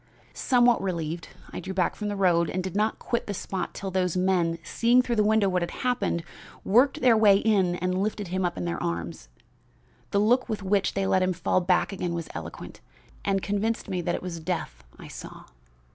"Somewhat relieved, I drew back from the road, but did not quit the spot till those men, seeing through the window what had happened, worked their way in and lifted him up in their arms. The look with which they let him fall back again was eloquent, and convinced me that it was death I saw.